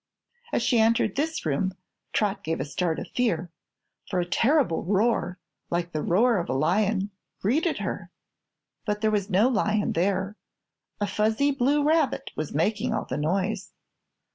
As she entered this room Trot gave a start of fear, for a terrible roar, like the roar of a lion, greeted her. But there was no lion there; a fuzzy blue rabbit was making all the noise.